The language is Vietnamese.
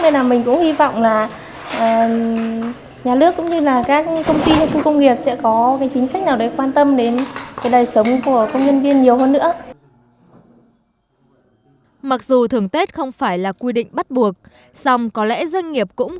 nên là mình cũng hy vọng là nhà nước cũng như là các công ty trong khu công nghiệp sẽ có cái chính sách nào để quan tâm đến cái đời sống của công nhân viên nhiều hơn nữa